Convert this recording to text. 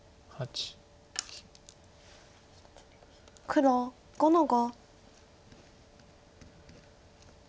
黒５の五。